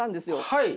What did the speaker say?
はい。